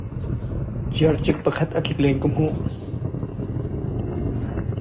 Circik pakhat a tlik len ka hmuh.